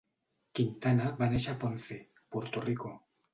Quintana va néixer a Ponce, Puerto Rico.